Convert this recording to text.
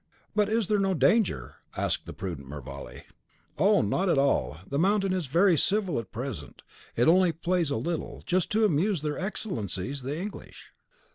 "But is there no danger?" asked the prudent Mervale. "Oh, not at all; the mountain is very civil at present. It only plays a little, just to amuse their Excellencies the English."